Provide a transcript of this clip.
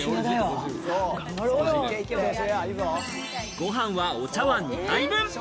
ご飯は、お茶わん２杯分。